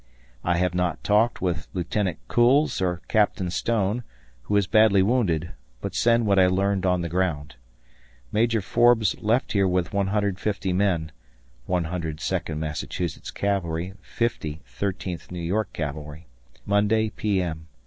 I have not talked with Lieutenant Kuhls or Captain Stone, who is badly wounded, but send what I learned on the ground. Major Forbes left here with 150 men (100 Second Massachusetts Cavalry, 50 Thirteenth New York Cavalry) Monday, P.M.